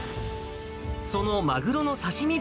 そのマグロの刺身